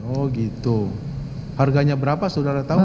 oh gitu harganya berapa saudara tahu